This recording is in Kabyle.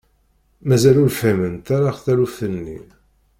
Mazal ur fhiment ara taluft-nni.